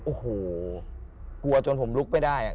โอ้โหกลัวจนผมลุกไม่ได้